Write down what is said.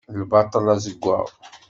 Lbaṭel azeggaɣ.